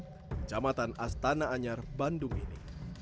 di kecamatan astana anyar bandung ini